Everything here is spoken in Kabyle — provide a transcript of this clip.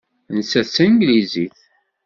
Nettat d Tanglizit.